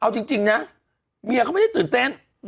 เอาจริงนะเมียเขาไม่ได้ตื่นเต้น